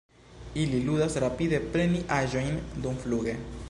Ili ludas rapide preni aĵojn dumfluge.